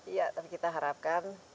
iya tapi kita harapkan